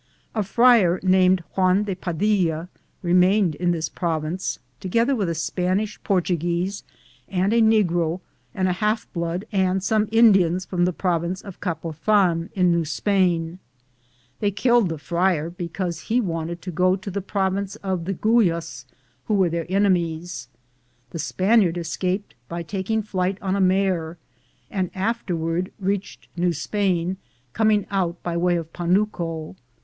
A friar named Juan de Padilla remained in this province, together with a Spanish Portuguese and a negro and a half blood and some In dians from the province of Capothan, in New Spain. They killed the friar because he wanted to go to the province of the Guas, who were their enemies. The Spaniard es caped by taking flight on a mare, and after ward reached New Spain, coining out by way of Panuco.